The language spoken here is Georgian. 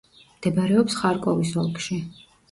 მდებარეობს ხარკოვის ოლქში.